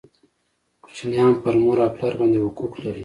کوچنیان پر مور او پلار باندي حقوق لري